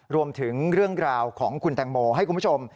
รวมถึงเรื่องราวของคุณแตงโมให้คุณผู้ชม